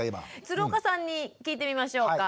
鶴岡さんに聞いてみましょうか。